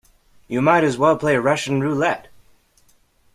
You might as well play Russian roulette.